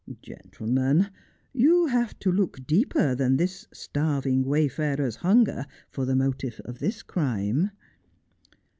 Gentlemen, you have to look deeper than this starving wayfarer's hunger for the motive of this crime.